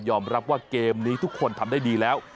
รับว่าเกมนี้ทุกคนทำได้ดีแล้ว